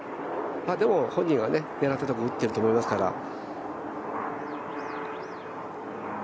でも本人は狙ったところに打ってると思いますから。